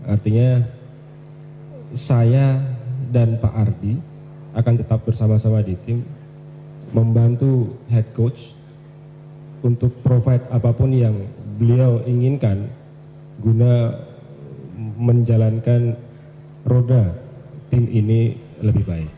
artinya saya dan pak ardi akan tetap bersama sama di tim membantu head coach untuk provide apapun yang beliau inginkan guna menjalankan roda tim ini lebih baik